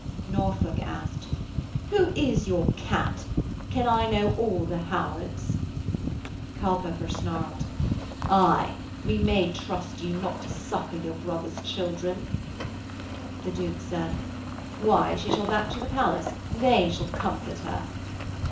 Norfolk asked: 'Who is your Kat? Can I know all the Howards?' Culpepper snarled: 'Aye, we may trust you not to succour your brother's children.' The Duke said: 'Why, she shall back to the palace. They shall comfort her.'